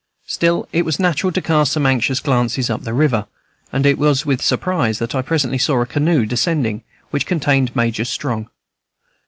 Still, it was natural to cast some anxious glances up the river, and it was with surprise that I presently saw a canoe descending, which contained Major Strong.